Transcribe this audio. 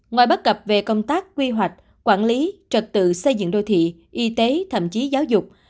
ngoài bắt cập về công tác quy hoạch quản lý trật tự xây dựng đô thị y tế thậm chí giáo dục